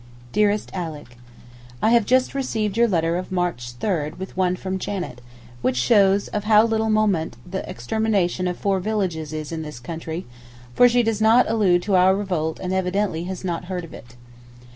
DEAREST ALICK, I have just received your letter of March 3 with one from Janet, which shows of how little moment the extermination of four villages is in this country, for she does not allude to our revolt and evidently has not heard of it.